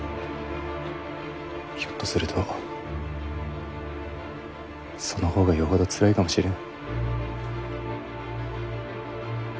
ひょっとするとその方がよほどつらいかもしれぬ。